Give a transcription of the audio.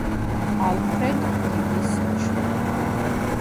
ალფრედ დიდის შვილი.